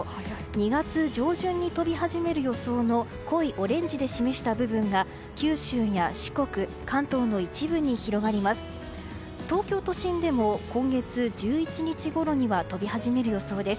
２月上旬に飛び始める予想の濃いオレンジで示した部分が九州や四国関東の一部に広がります。